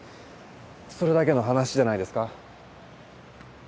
それだけの話じゃないですか。